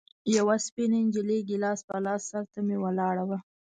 يوه سپينه نجلۍ ګيلاس په لاس سر ته مې ولاړه وه.